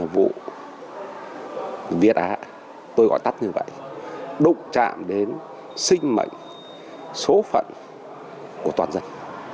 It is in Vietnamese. vụ viết á tôi gọi tắt như vậy động trạm đến sinh mệnh số phận của toàn dân